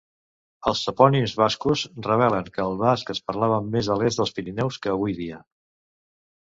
Els topònims bascos revelen que el basc es parlava més a l'est dels Pirineus que avui dia.